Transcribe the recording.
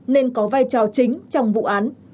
nên có vai trò chính trong vụ án